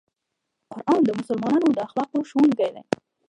قرآن د مسلمان د اخلاقو ښوونکی دی.